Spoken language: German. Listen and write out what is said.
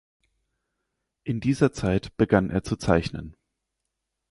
In dieser Zeit begann er zu zeichnen.